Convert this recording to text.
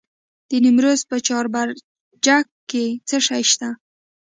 د نیمروز په چاربرجک کې څه شی شته؟